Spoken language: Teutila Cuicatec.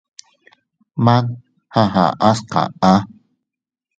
Man a aʼas kaʼa.